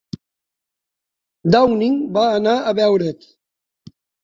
Downing va anar a veure't.